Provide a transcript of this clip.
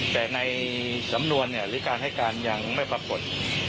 แต่ในสำนวนหรือการให้การยังไม่ปรากฏ